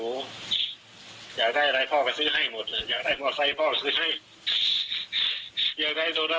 ก็บอกแกแล้วอย่าไปเชี่ยวกลางคืนอย่าไปเชี่ยวกลางคืน